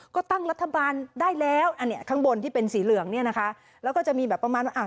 ก็ตั้งรัฐบาลได้แล้วอันนี้ข้างบนที่เป็นสีเหลืองเนี่ยนะคะแล้วก็จะมีแบบประมาณว่าอ่ะ